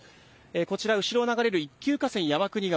こちら、後ろを流れる一級河川山国川。